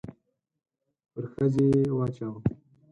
پر ښځې يې واچاوه.